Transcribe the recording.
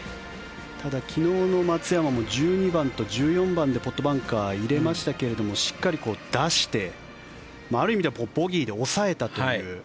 ただ昨日の松山も１２番と１４番でポットバンカーに入れましたがしっかり出してある意味ではボギーで抑えたという。